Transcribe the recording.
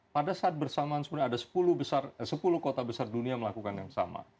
pada saat bersamaan sebenarnya ada sepuluh kota besar dunia melakukan yang sama